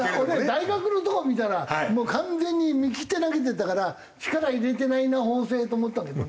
大学のとこ見たら完全に見切って投げてたから「力入れてないな法政」と思ったけどね。